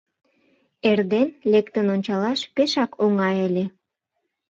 Эрден лектын ончалаш пешак оҥай ыле.